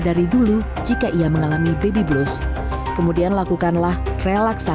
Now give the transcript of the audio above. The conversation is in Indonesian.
pasti lebih mudah gak bisa menyebabkan baby blues seperti selalu mengalami izin yoge jadi masyarakat